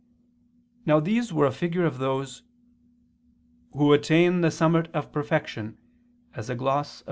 Now these were a figure of those "who attain the summit of perfection," as a gloss [*Cf.